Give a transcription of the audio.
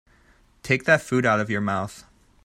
Take that food out of your mouth.